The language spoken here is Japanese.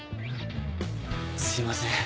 すいません。